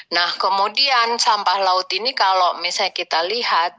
nah kemudian sampah laut ini kalau misalnya kita lihat